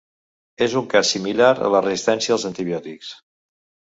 És un cas similar a la resistència als antibiòtics.